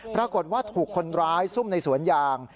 ปรากฏว่าถูกคนร้ายซุ่มในสวนยาง